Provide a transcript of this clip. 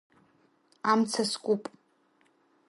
Амца скуп…